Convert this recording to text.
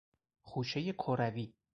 خوشهی کروی